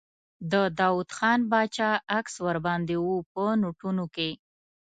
د داووخان باچا عکس ور باندې و په نوټونو کې.